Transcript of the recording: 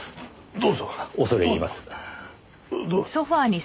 どうぞ。